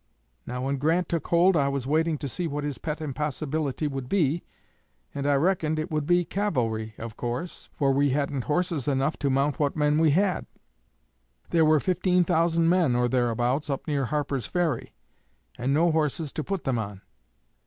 Now when Grant took hold I was waiting to see what his pet impossibility would be, and I reckoned it would be cavalry, of course, for we hadn't horses enough to mount what men we had. There were fifteen thousand men, or thereabouts, up near Harper's Ferry, and no horses to put them on.